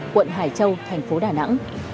quận hải châu thành phố đà nẵng